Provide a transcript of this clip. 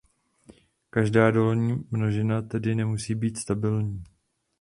Každá dolní množina tedy nemusí být stabilní.